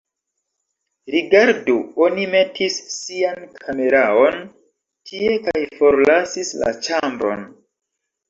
Rigardu, oni metis sian kameraon tie kaj forlasis la ĉambron